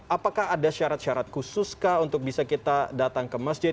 apakah ada syarat syarat khusus kah untuk bisa kita datang ke masjid